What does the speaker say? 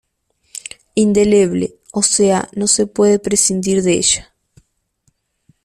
Indeleble,o sea no se puede prescindir de ella.